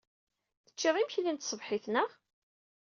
Teccid imekli n tṣebḥit, naɣ?